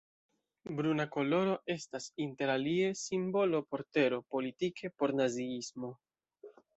Bruna koloro estas interalie simbolo por tero; politike por naziismo.